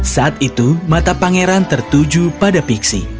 saat itu mata pangeran tertuju pada pixi